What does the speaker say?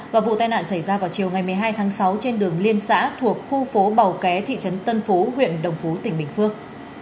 và vụ tai nạn xảy ra vào chiều ngày một mươi hai tháng sáu trên đường liên xã thuộc khu phố bầu ké thị trấn tân phú huyện đồng phú tỉnh bình phước